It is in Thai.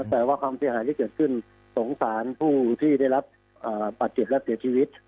แต่ว่าความเสียหายที่เกิดขึ้นสงสารผู้ที่ได้รับบาดเจ็บและเสียชีวิต